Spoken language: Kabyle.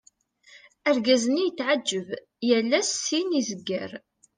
Argaz-nni yetɛeğğeb, yal ass syin i zegger.